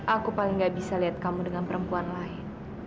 aku paling gak bisa lihat kamu dengan perempuan lain